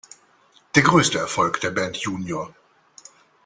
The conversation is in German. Der größte Erfolg der Band "Jr.